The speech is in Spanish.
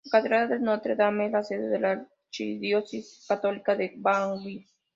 La catedral de Notre-Dame es la sede de la archidiócesis católica de Bangui.